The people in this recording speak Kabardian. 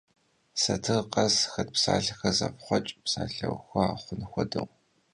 Satır khes xet psalhexer zefxhueç', psalheuxa xhun xuedeu.